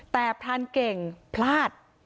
แต่พรานเก่งพลาด